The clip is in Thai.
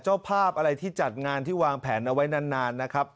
เจ้าภาพอะไรที่จัดงานที่วางแผนเอาไว้นานนะครับ